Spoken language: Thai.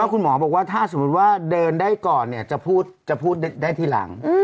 คุณหมอบอกว่าถ้าสมมุติว่าเดินได้ก่อนจะพูดได้ทีหลัง